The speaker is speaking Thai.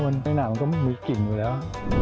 ในน่าก็มีกลิ่นอยู่แล้ว